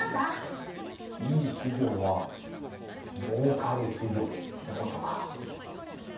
いい企業はもうかる企業ってことか。